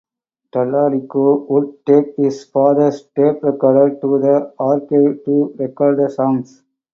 Tallarico would take his father's tape recorder to the arcade to record the songs.